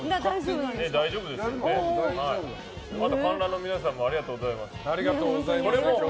あと観覧の皆さんもありがとうございます。